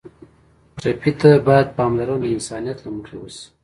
ټپي ته باید پاملرنه د انسانیت له مخې وشي.